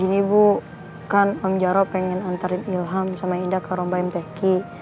ini bu kan om jarro pengen antarin ilham sama indah ke rumah mtk